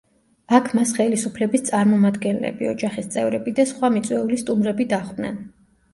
აქ მას ხელისუფლების წარმოამდგენლები, ოჯახის წევრები და სხვა მიწვეული სტუმრები დახვდნენ.